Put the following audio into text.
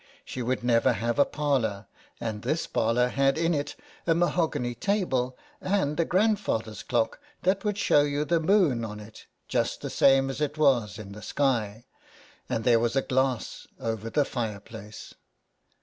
She would never have a parlour, and this parlour had in it a mahogany table and a grandfather's clock that would show you the moon on it just the same as it was in the sky, and there was a glass over the fire place.